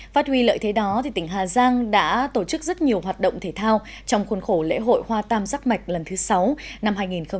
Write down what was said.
phát huy lợi thế đó tỉnh hà giang đã tổ chức rất nhiều hoạt động thể thao trong khuôn khổ lễ hội hoa tam giác mạch lần thứ sáu năm hai nghìn hai mươi